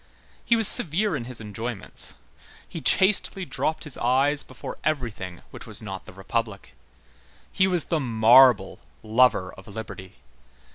He was severe in his enjoyments. He chastely dropped his eyes before everything which was not the Republic. He was the marble lover of liberty.